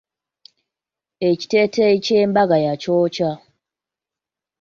Ekiteeteeyi ky'embaga yakyokya.